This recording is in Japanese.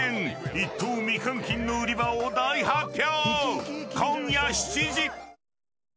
１等未換金の売り場を大発表！